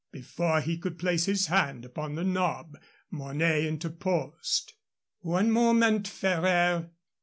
Before he could place his hand upon the knob Mornay interposed. "One moment, Ferraire.